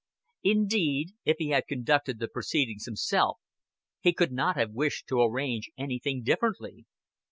Indeed, if he had conducted the proceedings himself, he could not have wished to arrange anything differently.